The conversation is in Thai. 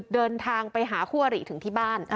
เดินทางไปหาคู่อริถึงที่บ้าน